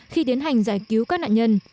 khi tiến hành giải cứu các nạn nhân